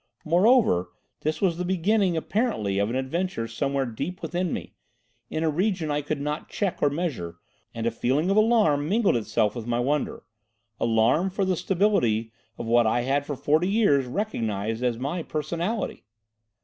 Moreover, this was the beginning apparently of an adventure somewhere deep within me, in a region I could not check or measure, and a feeling of alarm mingled itself with my wonder—alarm for the stability of what I had for forty years recognised as my 'personality.